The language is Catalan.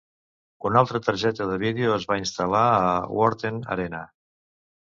Una altra targeta de vídeo es va instal·lar a Worthen Arena.